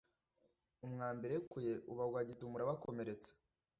umwambi irekuye ubagwa gitumo urabakomeretsa